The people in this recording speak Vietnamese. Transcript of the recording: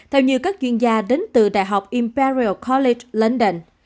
theo như các chuyên gia đến từ đại học imperial college london